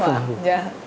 đi ra nước ngoài